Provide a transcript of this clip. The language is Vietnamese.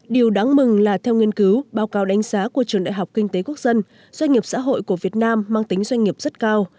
điều đáng mừng là theo nghiên cứu báo cáo đánh giá của trường đại học kinh tế quốc dân doanh nghiệp xã hội của việt nam mang tính doanh nghiệp rất cao